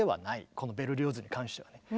このベルリオーズに関してはね。